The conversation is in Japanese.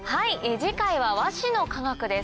次回は和紙の科学です。